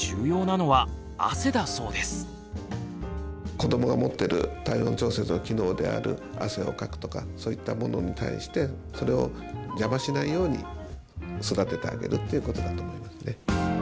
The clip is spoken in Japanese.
子どもが持ってる体温調節の機能である汗をかくとかそういったものに対してそれを邪魔しないように育ててあげるっていうことだと思いますね。